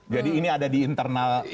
jadi ini ada di internalnya